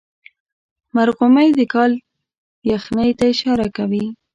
مرغومی د کال یخنۍ ته اشاره کوي.